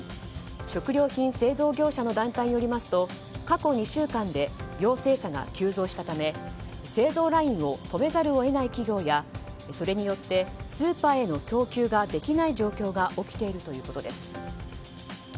食料品製造業者の団体によりますと過去２週間で陽性者が急増したため製造ラインを止めざるを得ない企業やそれによってスーパーへの供給ができない状況が起きているということです。